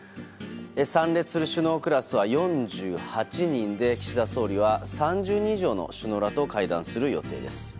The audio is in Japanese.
参列する首脳クラスは４８人で岸田総理は３０人以上の首脳らと会談する予定です。